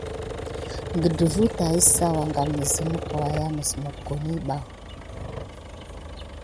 Gədəfwa tät kisawa viŋ ne simick ndolé dide mokone ba.